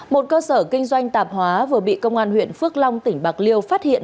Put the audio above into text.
một cơ sở kinh doanh tạp hóa vừa bị công an huyện phước long tỉnh bạc liêu phát hiện